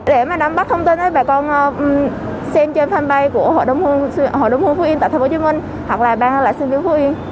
để mà đảm bác thông tin thì bà con xem trên fanpage của hội đồng hương phú yên tại tp hcm hoặc là bang lại xem trên phú yên